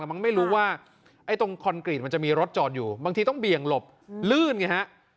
แต่มันไม่รู้ว่าไอ้ตรงคอนกรีตมันจะมีรถจอดอยู่บางทีต้องเบี่ยงหลบลื่นไงฮะ